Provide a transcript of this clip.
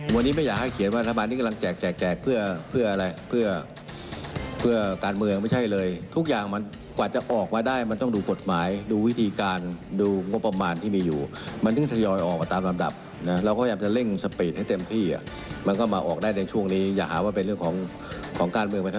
วันนี้ไม่อยากให้เขียนว่าอันดับอันนี้กำลังแจกเพื่ออะไร